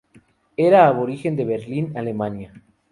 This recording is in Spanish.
Era aborigen de Berlín, Alemania.